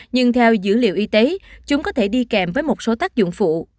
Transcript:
nhưng theo dữ liệu y tế chúng có thể đi kèm với một số tác dụng phụ